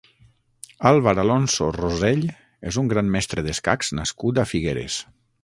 Àlvar Alonso Rosell és un gran Mestre d'escacs nascut a Figueres.